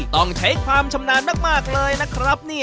ต้องใช้ความชำนาญมากเลยนะครับ